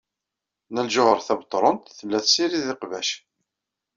Nna Lǧuheṛ Tabetṛunt tella tessirid iqbac.